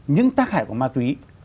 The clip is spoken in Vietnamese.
những tác hại của ma túy